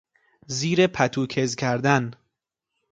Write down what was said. زیر پتو کز کردن